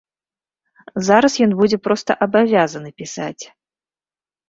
Зараз ён будзе проста абавязаны пісаць.